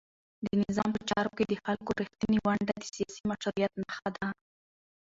د نظام په چارو کې د خلکو رښتینې ونډه د سیاسي مشروعیت نښه ده.